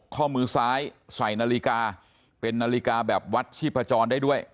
ข้อมือซ้ายใส่นาฬิกาเป็นนาฬิกาแบบวัดชีพจรได้ด้วย